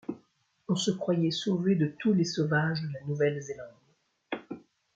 on se croyait sauvé de tous les sauvages de la Nouvelle-Zélande !